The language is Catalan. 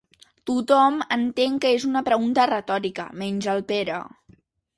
Tothom entén que és una pregunta retòrica, menys el Pere.